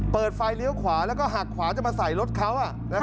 เปิดไฟเลี้ยวขวาแล้วก็หักขวาจะมาใส่รถเขา